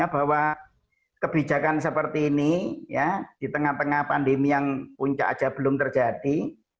bahwa kebijakan seperti ini ya di tengah tengah pandemi yang puncak aja belum terjadi